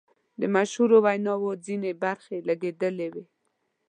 د مشهورو ویناوو ځینې برخې لګیدلې وې.